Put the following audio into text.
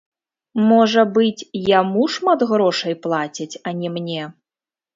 Можа быць, яму шмат грошай плацяць, а не мне.